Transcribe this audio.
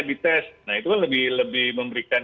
dites nah itu lebih memberikan